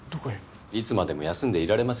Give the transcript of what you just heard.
いつまでも休んでいられませんからね。